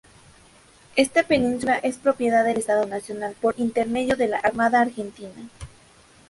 Esta península es propiedad del Estado Nacional por intermedio de la Armada Argentina.